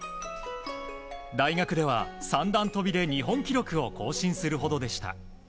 大学では、三段跳びで日本記録を更新するほどでした。